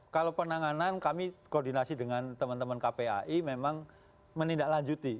kalau penanganan kami koordinasi dengan teman teman kpai memang menindaklanjuti